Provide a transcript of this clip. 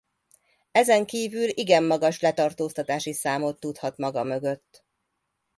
Ezen kívül igen magas letartóztatási számot tudhat maga mögött.